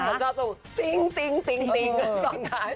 ฉันชอบถึงติ๊งติ๊งติ๊งติ๊งส่วนท้าย